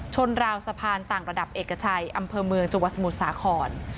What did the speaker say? ราวสะพานต่างระดับเอกชัยอำเภอเมืองจังหวัดสมุทรสาคร